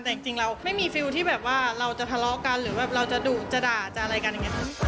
แต่จริงเราไม่มีฟิลที่แบบว่าเราจะทะเลาะกันหรือแบบเราจะดุจะด่าจะอะไรกันอย่างนี้